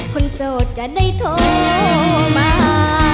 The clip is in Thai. โสดจะได้โทรมา